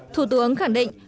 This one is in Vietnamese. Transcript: thủ tướng khẳng định